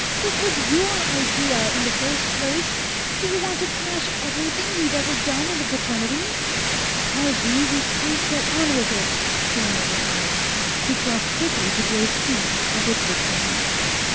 This was your idea, in the first place! Do you want to smash everything we've ever done in the Fraternities?" "Harvey, we can't go on with it," Joyner replied. He crossed quickly to Graves' seat and whispered something.